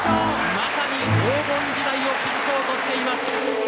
まさに黄金時代を築こうとしています。